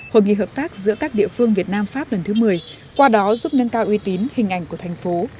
hội nghị hợp tác giữa các địa phương việt nam pháp lần thứ một mươi qua đó giúp nâng cao uy tín hình ảnh của thành phố